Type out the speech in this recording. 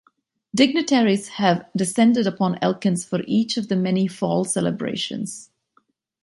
Dignitaries have descended upon Elkins for each of the many fall celebrations.